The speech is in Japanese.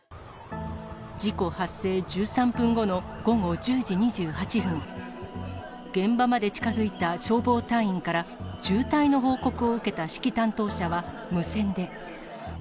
事故発生１３分後の午後１０時２８分、現場まで近づいた消防隊員から、渋滞の報告を受けた指揮担当者は、無線で。